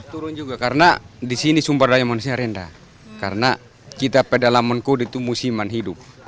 turun juga karena disini sumber daya manusia rendah karena kita pada laman kode itu musiman hidup